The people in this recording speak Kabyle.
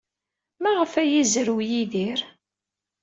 Maɣef ay izerrew Yidir?